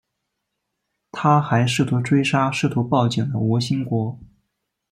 他还试图追杀试图报警的吴新国。